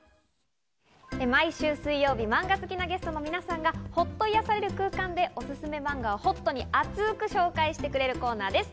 毎週水曜日、マンガ好きなゲストの皆さんがほっと癒やされる空間でおすすめマンガをほっとに熱く紹介してくれるコーナーです。